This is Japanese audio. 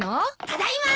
・ただいま。